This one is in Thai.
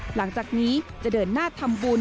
หลังจากนี้จะเดินหน้าทำบุญ